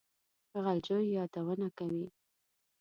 د غلجیو یادونه کوي.